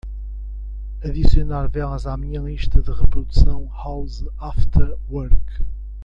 Adicionar velas à minha lista de reprodução House After Work.